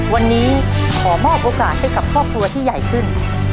วันนี้ขอมอบโอกาสให้กับครอบครัวที่ใหญ่ขึ้น